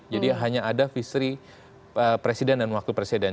jadi hanya ada visi presiden dan wakil presiden